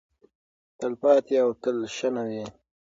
تلپاتې او تلشنه وي.